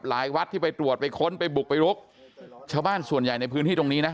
วัดที่ไปตรวจไปค้นไปบุกไปลุกชาวบ้านส่วนใหญ่ในพื้นที่ตรงนี้นะ